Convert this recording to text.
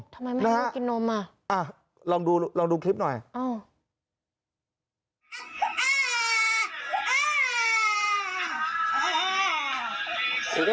ทำไมไม่ให้ลูกกินนมอ่ะ